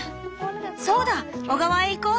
そうだ小川へ行こう！